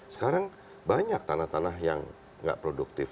sekarang banyak tanah tanah yang nggak produktif